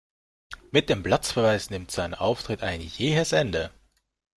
Mit dem Platzverweis nimmt sein Auftritt ein jähes Ende.